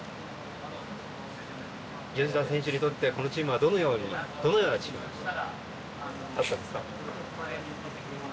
吉田選手にとってこのチームはどのようなチームでしたか。